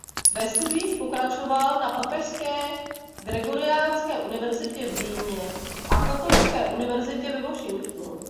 Ve studiích pokračoval na Papežské gregoriánské univerzitě v Římě a Katolické univerzitě ve Washingtonu.